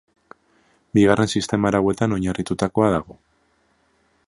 Bigarren sistema arauetan oinarritutakoa dago.